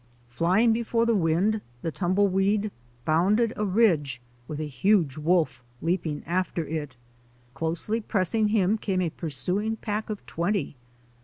Flying before the wind, the tumble weed bounded a ridge with a huge wolf leaping after it. Closely pressing him came a pursuing pack of twenty.